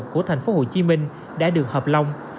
của tp hcm đã được hợp lòng